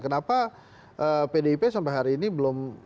kenapa pdip sampai hari ini belum